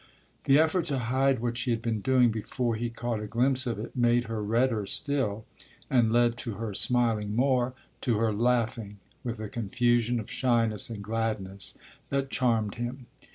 The effort to hide what she had been doing before he caught a glimpse of it made her redder still and led to her smiling more, to her laughing with a confusion of shyness and gladness that charmed him.